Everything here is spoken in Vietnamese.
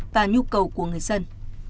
và nhu cầu của người dân